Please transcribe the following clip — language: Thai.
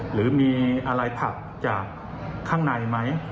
หรือมีอะไรผักจากข้างในไหม